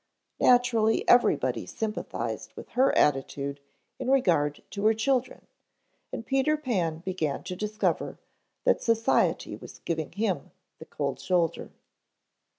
Naturally everybody sympathized with her attitude in regard to her children and Peter Pan began to discover that society was giving him the cold shoulder.